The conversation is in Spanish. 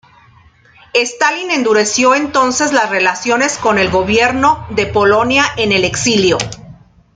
Stalin endureció entonces las relaciones con el Gobierno de Polonia en el exilio.